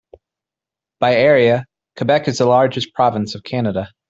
By area, Quebec is the largest province of Canada.